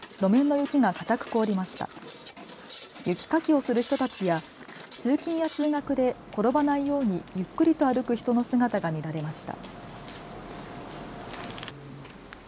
雪かきをする人たちや通勤や通学で転ばないようにゆっくりと歩く人の姿が見られました。